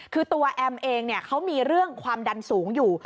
คือตัวแอมเองเขามีเรื่องความดันสูงอยู่